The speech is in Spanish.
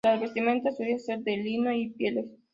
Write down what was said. La vestimenta solía ser de lino y pieles.